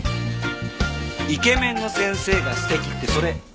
「イケメンの先生が素敵」ってそれ俺だから俺！